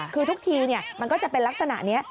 คือทุกทีมันก็จะเป็นลักษณะนี้